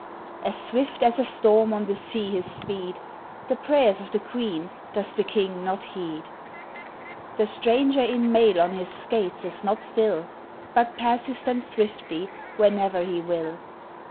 As swift as a storm on the sea his speed; The prayers of the queen does the king not heed. The stranger in mail on his skates is not still, But passes them swiftly whenever he will.